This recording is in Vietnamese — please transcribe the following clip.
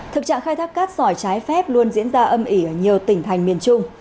thực trạng khai thác cát sỏi trái phép luôn diễn ra âm ỉ ở nhiều tỉnh thành phố